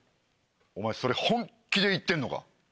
お前それ本気で言ってんのか？